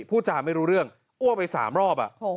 พูดจาไม่รู้เรื่องอ้วกไป๓รอบ